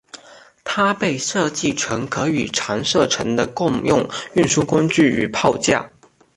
它被设计成可与长射程的共用运输工具与炮架。